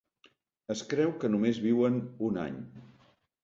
Es creu que només viuen un any.